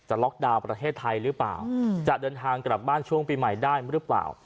ล็อกดาวน์ประเทศไทยหรือเปล่าจะเดินทางกลับบ้านช่วงปีใหม่ได้หรือเปล่า